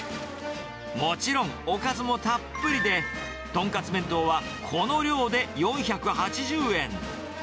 もちろん、おかずもたっぷりで、とんかつ弁当はこの量で４８０円。